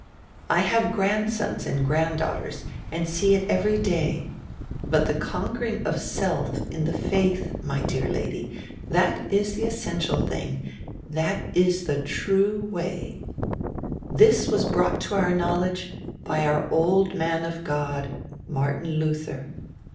I have grandsons and granddaughters and see it ever)' day. But the conquering of self in the faith, my dear Lady, that is die essential thing, diat is the true way. This was brought to our knowledge by our old man of God, Martin Luther.